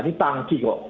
ini tangki kok